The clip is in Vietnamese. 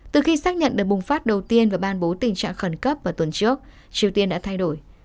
từ khi xác nhận đợt bùng phát đầu tiên và ban bố tình trạng khẩn cấp vào tuần trước triều tiên đã thay đổi